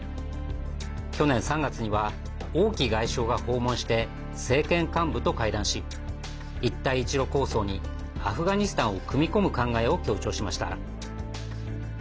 去年３月には王毅外相が訪問して政権幹部と会談し一帯一路構想にアフガニスタンを組み込む考えを強調しました。